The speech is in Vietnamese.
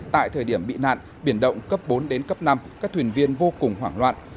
tại thời điểm bị nạn biển động cấp bốn đến cấp năm các thuyền viên vô cùng hoảng loạn